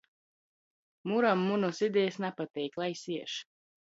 Muram munys idejis napateik. Lai siež!